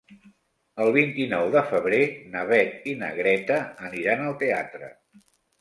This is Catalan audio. El vint-i-nou de febrer na Beth i na Greta aniran al teatre.